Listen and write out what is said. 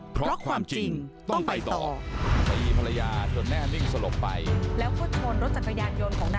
เพราะความจริงต้องไปต่อ